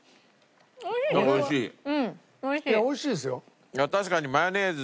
いやおいしいですよ。